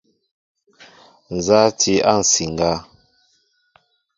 Nza a ti a nsiŋga?